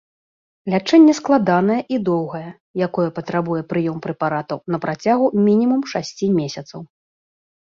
Лячэнне складанае і доўгае, якое патрабуе прыём прэпаратаў на працягу мінімум шасці месяцаў.